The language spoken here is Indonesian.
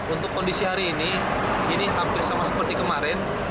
untuk kondisi hari ini ini hampir sama seperti kemarin